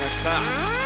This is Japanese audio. はい！